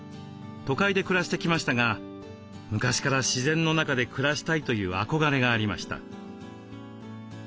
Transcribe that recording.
都会で暮らしてきましたが昔から自然の中で暮らしたいという憧れがありました。